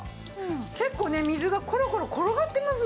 結構ね水がコロコロ転がってますもんね。